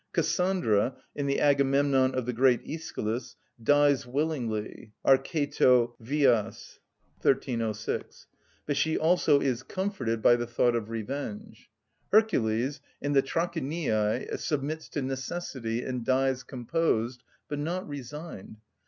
Cassandra, in the Agamemnon of the great Æschylus, dies willingly, αρκειτω βιος (1306); but she also is comforted by the thought of revenge. Hercules, in the Trachiniæ, submits to necessity, and dies composed, but not resigned.